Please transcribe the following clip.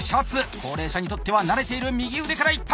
高齢者にとっては慣れている右腕からいった！